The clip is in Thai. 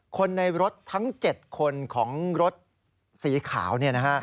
คนในรถทั้ง๗คนของรถสีขาว